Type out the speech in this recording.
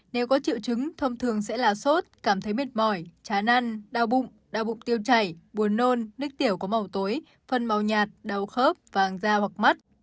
nếu có triệu chứng thông thường sẽ là sốt cảm thấy mệt mỏi trái năn đau bụng đau bụng tiêu chảy buồn nôn nức tiểu có màu tối phần màu nhạt đau khớp vàng da hoặc mắt